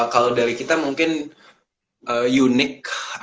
kalau dari kita mungkin unik